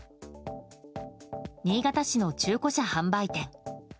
新潟市の中古車販売店。